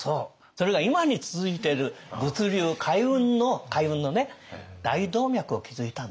それが今に続いてる物流海運の大動脈を築いたんです。